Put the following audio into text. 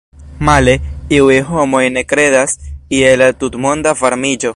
Male, iuj homoj ne kredas je la tutmonda varmiĝo.